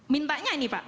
mintanya ini pak